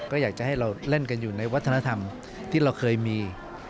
ก็อยากจะให้เราเล่นกันอยู่ในวัฒนธรรมที่เราเคยมี